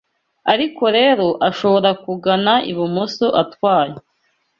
ariko rero ashobora kugana ibumoso atwaye